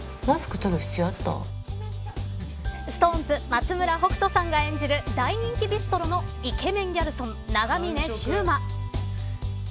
ＳｉｘＴＯＮＥＳ松村北斗さんが演じる大人気ビストロのイケメンギャルソン長峰柊磨。